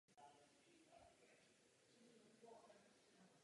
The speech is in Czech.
Allen byl hodně spojen s projektem stadionu a podílel se na jeho vzhledu.